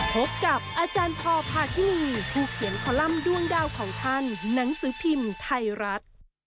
พบกับอาจารย์พอพาทินีผู้เขียนคอลัมป์ด้วงดาวของท่านหนังสือพิมพ์ไทยรัฐ